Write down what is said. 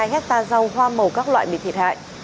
năm chín trăm một mươi hai hecta rau hoa màu các loại bị thiệt hại